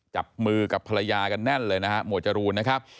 จับมือกับภรรยากันแน่นเลยนะฮะหมวดจรูนนะครับ